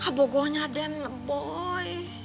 kebogonya aden boy